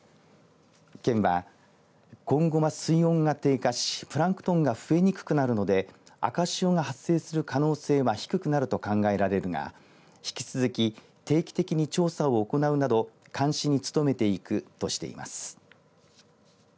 県は、今後は水温が低下しプランクトンが増えにくくなるので赤潮が発生する可能性は低くなると考えられるが引き続き、定期的に調査を行うなど監視に努めていくとしています。